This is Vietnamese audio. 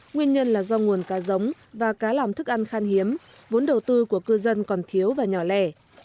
nguyên nhân là do nguồn cá giống và cá làm thức ăn khan hiếm vốn đầu tư của cư dân còn thiếu và nhỏ lẻ